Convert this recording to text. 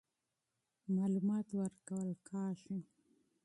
معلومات ورکول کېږي.